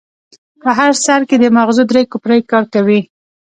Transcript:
په هر سر کې د ماغزو درې کوپړۍ کار کوي.